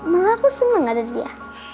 makanya aku seneng ada dia